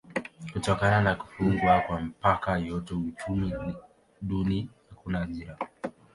Kutokana na kufungwa kwa mipaka yote uchumi ni duni: hakuna ajira.